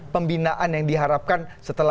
pembinaan yang diharapkan itu apa